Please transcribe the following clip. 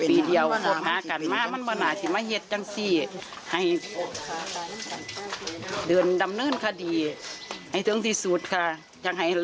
สุดทุกว่าคิดกับในต้นที่อหมี